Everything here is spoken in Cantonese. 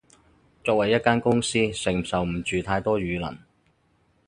作為一間公司，承受唔住太多輿論